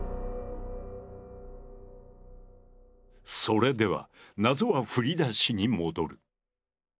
それでは謎は振り出しに戻る。